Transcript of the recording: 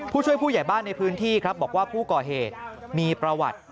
ผู้ช่วยผู้ใหญ่บ้านในพื้นที่ครับบอกว่าผู้ก่อเหตุมีประวัติ